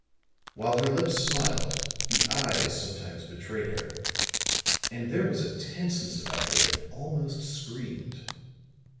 While her lips smiled, the eyes sometimes betrayed her; and there was a tenseness about her that almost screamed.